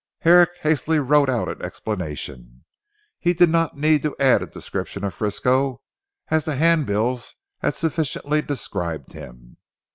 Herrick hastily wrote out an explanation. He did not need to add a description of Frisco as the hand bills had sufficiently described him.